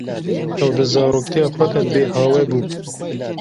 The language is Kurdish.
Ew di zaroktiya xwe de bêhawe bû.